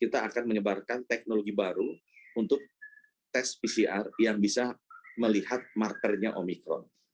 teknologi baru untuk tes pcr yang bisa melihat markernya omicron